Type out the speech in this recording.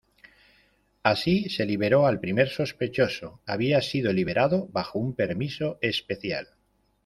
Así, se liberó al primer sospechoso había sido liberado bajo un permiso especial.